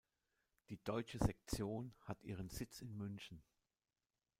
Die deutsche Sektion hat ihren Sitz in München.